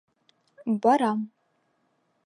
Барам.